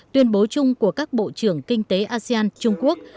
tuyên bố chung của các bộ trưởng kinh tế asean trung quốc